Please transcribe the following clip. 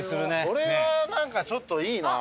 これはなんかちょっといいな。